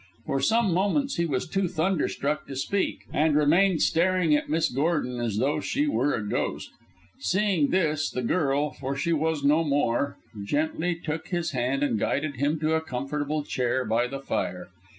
For some moments he was too thunderstruck to speak, and remained staring at Miss Gordon as though she were a ghost. Seeing this, the girl for she was no more gently took his hand and guided him to a comfortable chair by the fire.